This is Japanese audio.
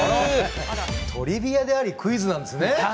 トリビアでありクイズなんですね。